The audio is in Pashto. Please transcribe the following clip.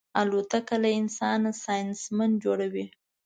الوتکه له انسانه ساینسمن جوړوي.